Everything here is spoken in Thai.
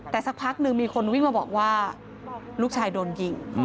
แต่สักพักหนึ่งมีคนวิ่งมาบอกว่าลูกชายโดนยิง